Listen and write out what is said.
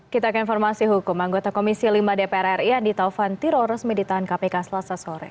kita ke informasi hukum anggota komisi lima dpr ri andi taufan tiro resmi ditahan kpk selasa sore